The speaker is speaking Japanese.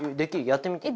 やってみて。